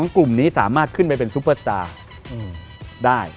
กลุ่มนี้สามารถขึ้นไปเป็นซุปเปอร์สตาร์ได้